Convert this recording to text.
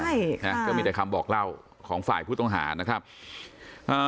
ใช่นะก็มีแต่คำบอกเล่าของฝ่ายผู้ต้องหานะครับอ่า